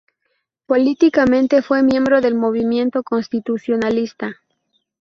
Políticamente fue miembro del Movimiento Constitucionalista.